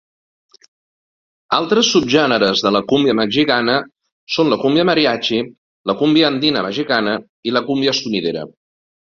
Altres subgèneres de la cúmbia mexicana són la cúmbia mariachi, la cúmbia andina mexicana i la cúmbia sonidera.